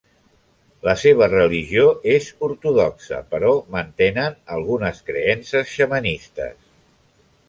La seva religió és ortodoxa però mantenen algunes creences xamanistes.